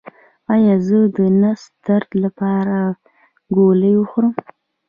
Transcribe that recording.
ایا زه د نس درد لپاره ګولۍ وخورم؟